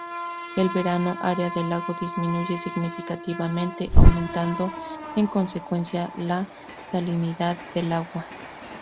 En verano área del lago disminuye significativamente aumentando en consecuencia la salinidad del agua.